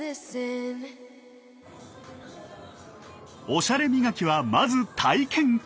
おしゃれ磨きはまず体験から！